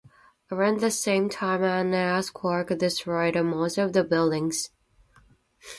Around the same time an earthquake destroyed most of the buildings.